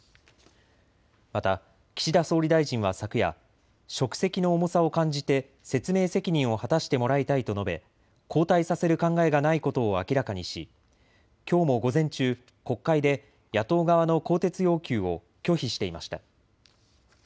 また岸田総理大臣は昨夜、職責の重さを感じて説明責任を果たしてもらいたいと述べ交代させる考えがないことを明らかにしきょうも午前中、国会で野党側の更迭要求を拒否していました。